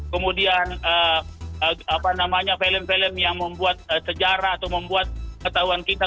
kemudian film film yang membuat sejarah atau membuat ketahuan kita